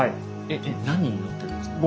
えっ何に乗ってるんですか？